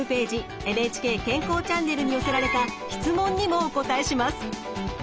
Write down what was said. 「ＮＨＫ健康チャンネル」に寄せられた質問にもお答えします。